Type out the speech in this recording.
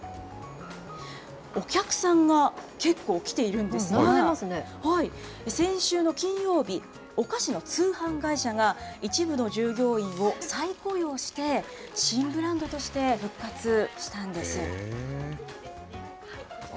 お客さんが結構来ているんですが、先週の金曜日、お菓子の通販会社が、一部の従業員を再雇用して、新ブランドとして復活したんです。